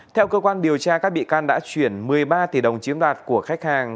theo cơ quan điều tra các bị can đã chuyển một mươi ba tỷ đồng chiếm đoạt của khách hàng